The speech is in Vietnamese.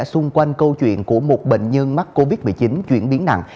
xung quanh câu chuyện của một bệnh nhân mắc covid một mươi chín chuyển biến nặng